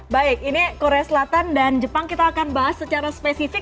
baik ini korea selatan dan jepang kita akan bahas secara spesifik